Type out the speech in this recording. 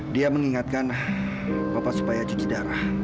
dia mengingatkan bapak supaya cuci darah